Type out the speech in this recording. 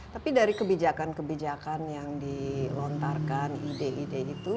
tapi dari kebijakan kebijakan yang dilontarkan ide ide itu